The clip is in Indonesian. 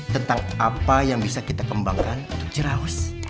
tentang apa yang bisa kita kembangkan untuk jeraus